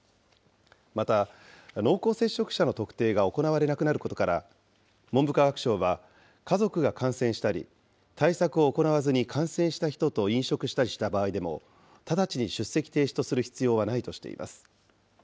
また、濃厚接触者の特定が行われなくなることから、文部科学省は、家族が感染したり、対策を行わずに感染した人と飲食したりした場合でも、直ちに出席停止とする必要はないとしています。